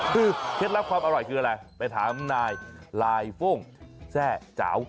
คือเคล็ดลับความอร่อยคืออะไรไปถามนายลายโฟ่งแทร่เจ้า